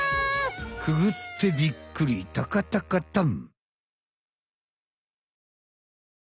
くぐってびっくりタカタカタン。